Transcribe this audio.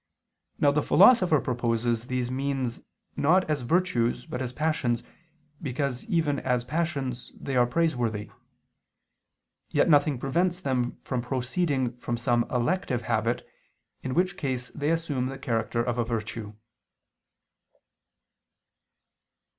Now the Philosopher proposes these means not as virtues, but as passions, because, even as passions, they are praiseworthy. Yet nothing prevents them from proceeding from some elective habit, in which case they assume the character of a virtue.